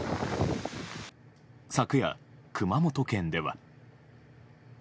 昨夜、熊本県では。